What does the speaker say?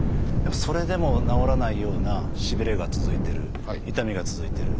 それでも治らないようなしびれが続いてる痛みが続いてる。